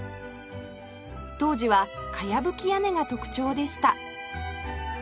当時はかやぶき屋根が特徴でした